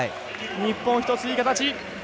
日本、１ついい形。